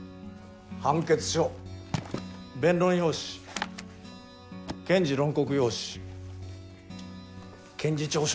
判決書弁論要旨検事論告要旨検事調書。